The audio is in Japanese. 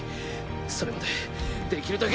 それまでできるだけ。